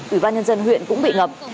ủy ban nhân dân huyện cũng bị ngập